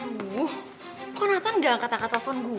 wuh kok nathan enggak angkat angkat telfon gue